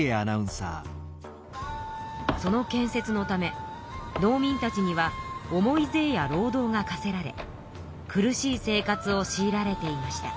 その建設のため農民たちには重い税や労働が課せられ苦しい生活をしいられていました。